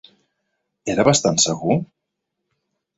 Era bastant segur?